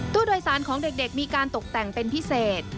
ตู้โดยสารของเด็กมีการตกแต่งเป็นพิเศษ